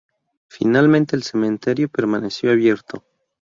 Finalmente el cementerio permaneció abierto.